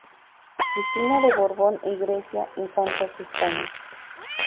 Cristina de Borbón y Grecia, Infantas de España.